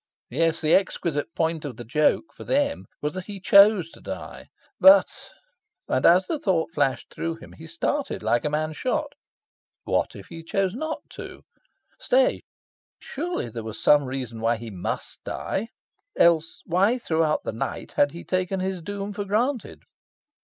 Yes, the exquisite point of the joke, for them, was that he CHOSE to die. But and, as the thought flashed through him, he started like a man shot what if he chose not to? Stay, surely there was some reason why he MUST die. Else, why throughout the night had he taken his doom for granted?...